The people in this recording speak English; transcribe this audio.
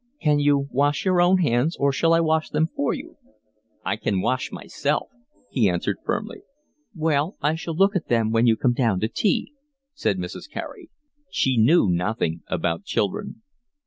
"Can you wash your own hands, or shall I wash them for you?" "I can wash myself," he answered firmly. "Well, I shall look at them when you come down to tea," said Mrs. Carey. She knew nothing about children.